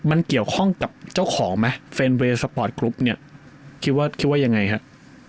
มันเกี่ยวข้องกับเจ้าของไหมฟรีนเวย์สปอร์ตกรุ๊ปคิดว่าอย่างไรครับ